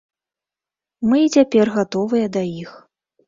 Мы і цяпер гатовыя да іх.